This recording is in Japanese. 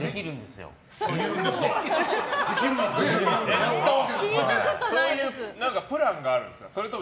そういうプランがあるんですか？